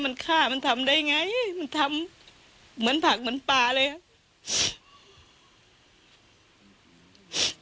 มันทำเหมือนผักเหมือนปลาเลยค่ะ